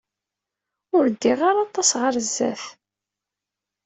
Ur ddiɣ ara aṭas ɣer sdat.